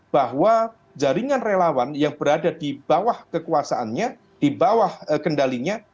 bahwa jaringan relawan yang berada di bawah kekuasaannya di bawah kendalinya